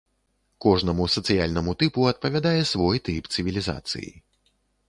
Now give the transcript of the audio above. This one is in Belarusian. Кожнаму сацыяльнаму тыпу адпавядае свой тып цывілізацыі.